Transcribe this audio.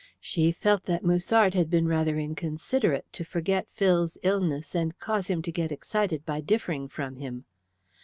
She felt that Musard had been rather inconsiderate to forget Phil's illness and cause him to get excited by differing from him.